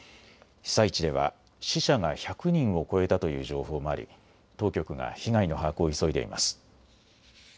被災地では死者が１００人を超えたという情報もあり当局が被害の把握を急いでいます。